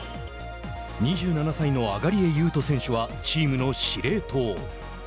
２７歳の東江雄斗選手はチームの司令塔。